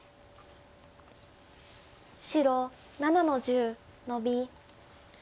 白７の十ノビ。